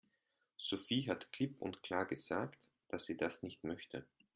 Sophie hat klipp und klar gesagt, dass sie das nicht möchte.